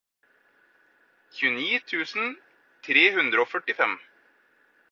tjueni tusen tre hundre og førtifem